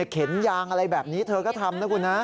เข็นยางอะไรแบบนี้เธอก็ทำนะคุณนะ